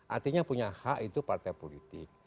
artinya punya hak itu partai politik